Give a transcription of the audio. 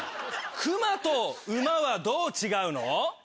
クマとウマはどう違うの？